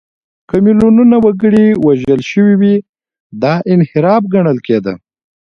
که میلیونونه وګړي وژل شوي وي، دا انحراف ګڼل کېده.